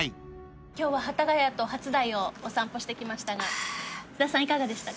今日は幡ヶ谷と初台をお散歩してきましたが津田さんいかがでしたか？